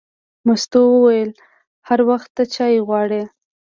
مستو وویل: هر وخت ته چای غواړې.